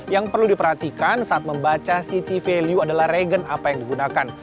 yang perlu diperhatikan saat membaca city value adalah regen apa yang digunakan